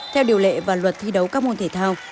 theo điều lệ và luật thi đấu các môn thể thao